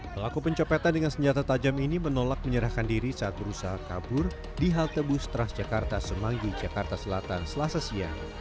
pelaku pencopetan dengan senjata tajam ini menolak menyerahkan diri saat berusaha kabur di halte bus transjakarta semanggi jakarta selatan selasa siang